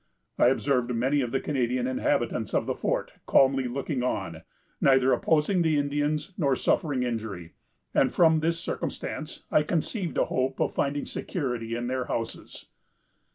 I observed many of the Canadian inhabitants of the fort calmly looking on, neither opposing the Indians nor suffering injury; and from this circumstance, I conceived a hope of finding security in their houses.